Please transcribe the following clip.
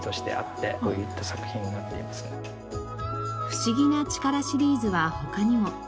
「不思議な力」シリーズは他にも。